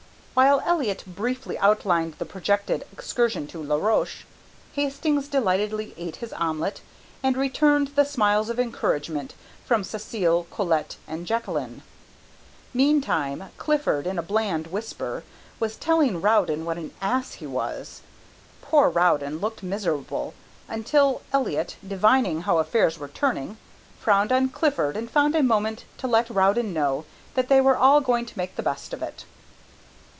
While Elliott briefly outlined the projected excursion to La Roche, Hastings delightedly ate his omelet, and returned the smiles of encouragement from Cécile and Colette and Jacqueline. Meantime Clifford in a bland whisper was telling Rowden what an ass he was. Poor Rowden looked miserable until Elliott, divining how affairs were turning, frowned on Clifford and found a moment to let Rowden know that they were all going to make the best of it.